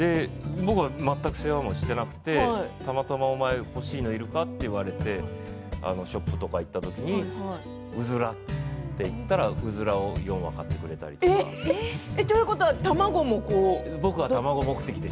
僕は全く世話もしなくてたまたまお前欲しいのいるかと言われてショップとか行ったときにうずら、と言ったらうずらを買ってくれたり。ということは卵も？